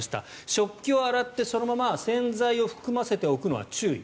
食器を洗ってそのまま洗剤を含ませておくのは注意。